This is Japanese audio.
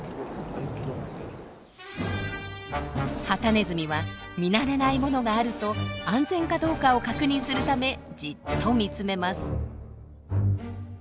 ハタネズミは見慣れないものがあると安全かどうかを確認するためじっと見つめます。